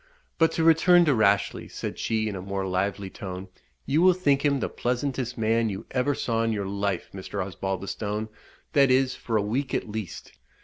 But to return to Rashleigh," said she, in a more lively tone, "you will think him the pleasantest man you ever saw in your life, Mr. Osbaldistone, that is, for a week at least.